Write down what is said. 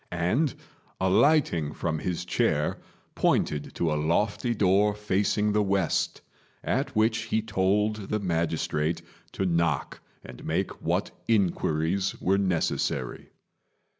and, alighting from his chair, pointed to a lofty door facing the west, at which he told the magistrate to knock and make what inquiries were necessary.